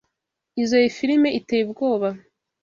Izoi firime iteye ubwoba.